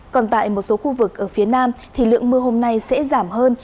còn tại một số khu vực ở phía nam thì lượng mưa hôm nay sẽ giảm hơn